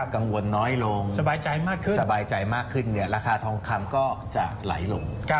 กังวลน้อยลงสบายใจมากขึ้นสบายใจมากขึ้นราคาทองคำก็จะไหลลง